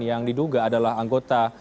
yang diduga adalah anggota